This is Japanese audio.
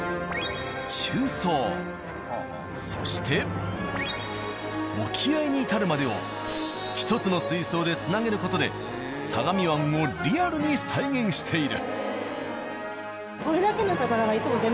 そして沖合に至るまでを１つの水槽でつなげる事で相模湾をリアルに再現している。